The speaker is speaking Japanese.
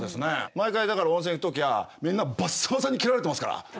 毎回だから温泉行く時はみんなバッサバサに斬られてますから。